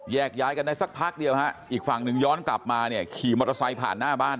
ย้ายกันได้สักพักเดียวฮะอีกฝั่งหนึ่งย้อนกลับมาเนี่ยขี่มอเตอร์ไซค์ผ่านหน้าบ้าน